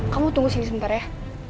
kamu tunggu sini sebentar ya